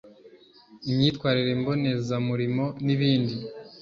imyitwarire mbonezamurimo ni bindi